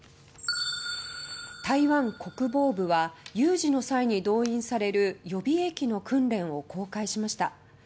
台湾国防部は有事の際に動員される予備役の訓練を公開しました。